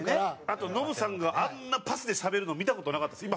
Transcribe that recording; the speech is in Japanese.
あとノブさんがあんなパスでしゃべるの見た事なかったです。